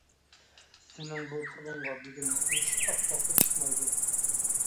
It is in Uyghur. سېنىڭ بۇ پۇلۇڭغا بۈگۈن مۈشۈك ئاپتاپقا چىقمايدۇ.